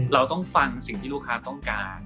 เราต้องฟังสิ่งที่ลูกค้าต้องการ